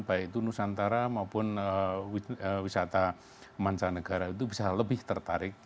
baik itu nusantara maupun wisata mancanegara itu bisa lebih tertarik